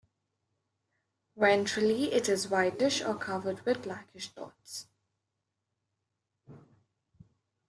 Ventrally it is whitish or covered with blackish dots.